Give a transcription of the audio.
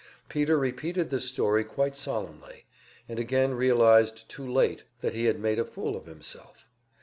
Peter repeated this story quite solemnly, and again realized too late that he had made a fool of himself.